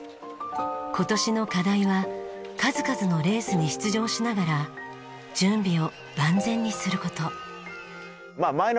今年の課題は数々のレースに出場しながら準備を万全にする事。